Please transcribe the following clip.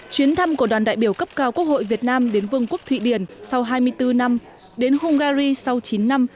chuyến thăm của đoàn đại biểu cấp cao quốc hội việt nam đến vương quốc thụy điển sau hai mươi bốn năm đến hungary sau chín năm